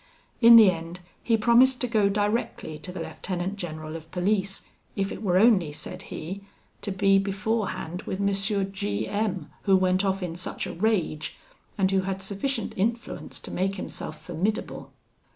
In the end, he promised to go directly to the lieutenant general of police if it were only, said he, to be beforehand with M. G M , who went off in such a rage, and who had sufficient influence to make himself formidable.